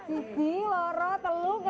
gigi loro teluk langkah